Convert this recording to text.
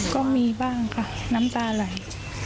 ก็มีบ้างค่ะน้ำตาไหล